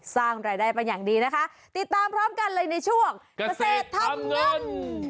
สร้างรายได้เป็นอย่างดีนะคะติดตามพร้อมกันเลยในช่วงเกษตรทำเงิน